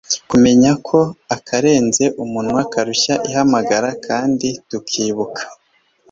kumenya ko akarenze umunwa karushya ihamagara kandi tukibuka